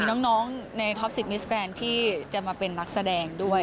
น้องในท็อป๑๐นิสแกรนด์ที่จะมาเป็นนักแสดงด้วย